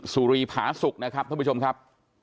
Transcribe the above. สุรีภาษูนย์นะครับเด็กผู้ชมครับ